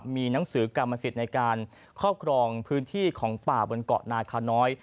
มีหนังสือกรรมสิทธิ์ในการครอบครองพื้นที่ของป่าบนเกาะนาคาน้อย